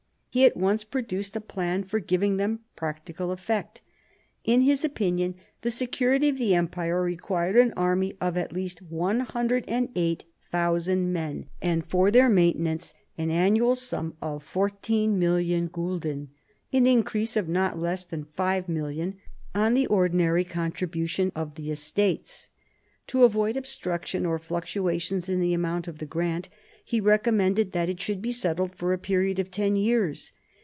He at once produced a plan for giving them practical effect. In his opinion, the security of the r Empire required an army of at least 108,000 men, and for their maintenance an annual sum of 14,000,000 gulden, an increase of not less than five million on the ordinary contribution from the Estates. To avoid obstruction or fluctuations in the amount of the grant, he recommended that it should be settled for a period of ten years.